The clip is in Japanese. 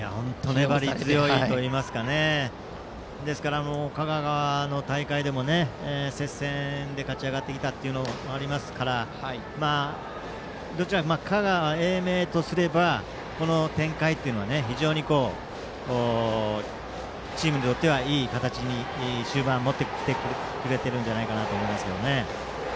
粘り強いといいますかですから、香川の大会でも接戦で勝ち上がってきたというのがありますから香川・英明とすれば、この展開は非常にチームにとってはいい形に終盤、持ってきてこれていると思いますけどね。